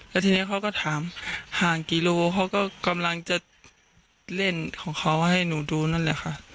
แล้วทีนี้เขาก็ถามห่างกี่โลเขาก็กำลังจะเล่นของเขาให้หนูดูนั่นแหละค่ะ